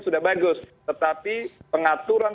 sudah bagus tetapi pengaturan